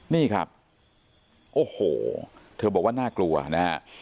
นี่ครับโอ้โหเธอบอกว่าน่ากลัวนะฮะ